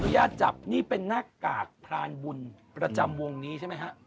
ญาตจับนี่เป็นหน้ากากพรานบุญประจำวงนี้ใช่ไหมฮะ